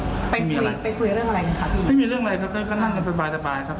ไปคุยไปคุยเรื่องอะไรกันครับพี่ไม่มีเรื่องอะไรครับเต้ยก็นั่งกันสบายสบายครับ